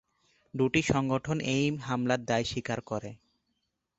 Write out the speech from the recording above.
দুটি সংগঠন এই হামলার দায় স্বীকার করে।